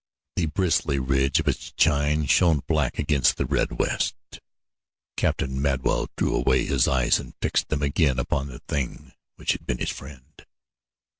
The bristly ridge of its chine showed black against the red west. Captain Madwell drew away his eyes and fixed them again upon the thing which had been his friend.